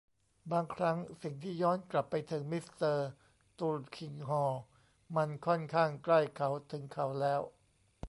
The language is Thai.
บางครั้ง สิ่งที่ย้อนกลับไปถึงมิสเตอร์ตุลคิงฮอร์มันค่อนข้างใกล้เขาถึงเขาแล้ว